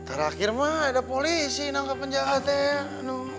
terakhir mah ada polisi nangkep penjahatnya